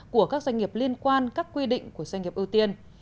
của các doanh nghiệp liên quan các quy định của doanh nghiệp ưu tiên